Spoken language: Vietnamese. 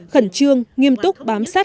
khẩn trương nghiêm túc bám sát